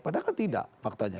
padahal tidak faktanya